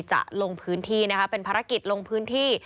จะลงพื้นที่นะคะเป็นภารกิจลงพื้นที่